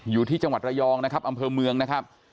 อยู่ที่จังหวัดระยองนะครับอำเภอเมืองนะครับ